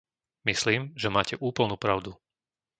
Myslím, že máte úplnú pravdu.